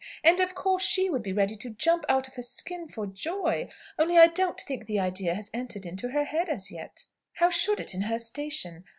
And of course she would be ready to jump out of her skin for joy, only I don't think the idea has entered into her head as yet. How should it, in her station?